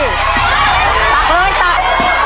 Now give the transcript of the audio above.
ตักเลยตัก